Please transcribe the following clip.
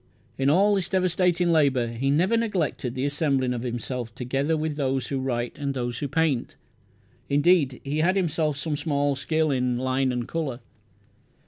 In all this devastating labour he never neglected the assembling of himself together with those who write and those who paint. Indeed, he had himself some small skill in line and colour.